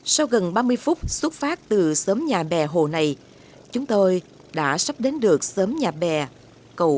sau gần ba mươi phút xuất phát từ xóm nhà bè hồ này chúng tôi đã sắp đến được xóm nhà bè cầu ba mươi tám